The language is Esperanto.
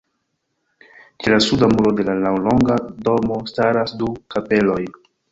Ĉe la suda muro de la laŭlonga domo staras du kapeloj.